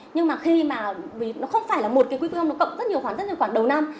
nhưng mà khi mà nó không phải là một cái quy phương nó cộng rất nhiều khoản rất nhiều khoảng đầu năm